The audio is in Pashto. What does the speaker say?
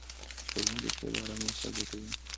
سپوږمۍ د شپې د آرامۍ احساس زیاتوي